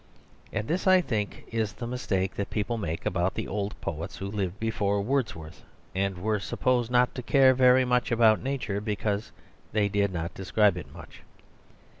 And this, I think, is the mistake that people make about the old poets who lived before Wordsworth, and were supposed not to care very much about Nature because they did not describe it much.